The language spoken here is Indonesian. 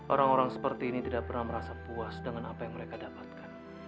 orang orang seperti ini tidak pernah merasa puas dengan apa yang mereka dapatkan